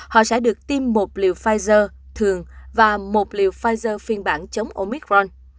họ sẽ được tiêm một liều pfizer thường và một liều pfizer phiên bản chống omicron